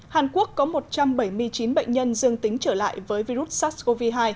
hàn quốc có một trăm bảy mươi chín bệnh nhân dương tính trở lại với virus sars cov hai